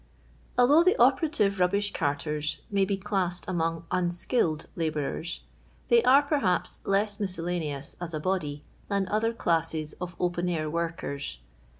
Although the operaiive rnbbuh<art^n may be classed amon^ unsldlled labourers, they are, per haps, less miscellaneous, as a body, than other classes of open air workers.